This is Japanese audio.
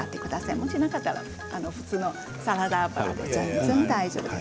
もしなかったらサラダ油で全然大丈夫です。